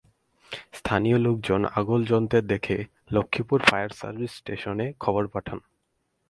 স্থানীয় লোকজন আগুন জ্বলতে দেখে লক্ষ্মীপুর ফায়ার সার্ভিস স্টেশনে খবর পাঠান।